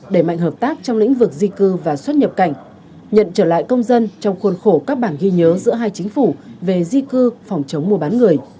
đẩy mạnh hợp tác trong lĩnh vực di cư và xuất nhập cảnh nhận trở lại công dân trong khuôn khổ các bản ghi nhớ giữa hai chính phủ về di cư phòng chống mua bán người